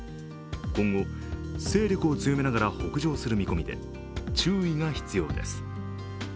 今後、勢力を強めながら北上する見込みで、注意が必要です。